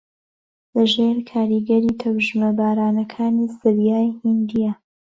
لەژێر کاریگەری تەوژمە بارانەکانی زەریای ھیندییە